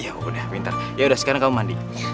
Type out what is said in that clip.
yaudah pintar yaudah sekarang kamu mandi